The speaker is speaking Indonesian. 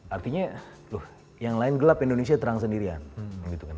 artinya yang lain gelap indonesia terang sendirian